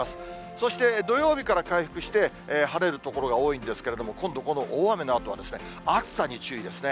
そして、土曜日から回復して、晴れる所が多いんですけれども、今度、この大雨のあとは暑さに注意ですね。